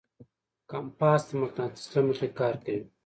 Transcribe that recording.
کمپاس د مقناطیس له مخې کار کوي.